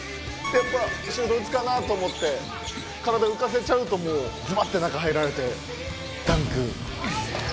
シュート打つかなと思って体浮かせちゃうともうズバッて中入られてダンク。